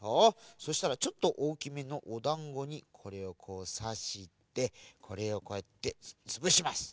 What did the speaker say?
そうしたらちょっとおおきめのおだんごにこれをこうさしてこれをこうやってつぶします。